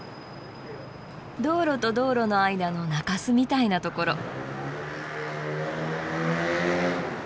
道路と道路の間の中州みたいなところ。